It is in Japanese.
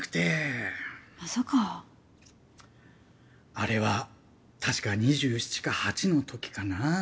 あれはたしか２７か２８のときかな。